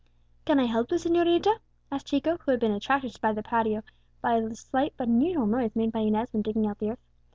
"Can I help the señorita?" said Chico, who had been attracted to the patio by the slight but unusual noise made by Inez when digging out the earth.